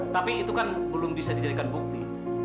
tapi itu kan belum bisa dijadikan bukti